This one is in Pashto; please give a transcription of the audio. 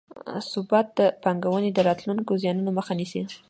ثبات د پانګونې د راتلونکو زیانونو مخه نیسي.